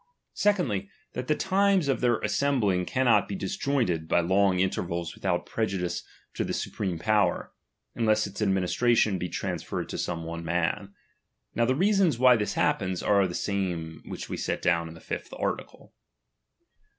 Secondly, that the times of their assembling cannot be disjoined by long in tervals without prejudice to the supreme power, imless its administration be transferred to some one man. Now the reasons why this happens, are the same which we wet down in the fifth article.